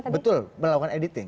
betul melakukan editing